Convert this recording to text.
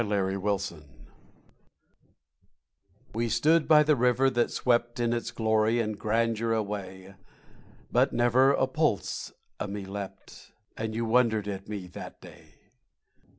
RIVER AND SEA We stood by the river that swept In its glory and grandeur away; But never a pulse o' me leapt, And you wondered at me that day.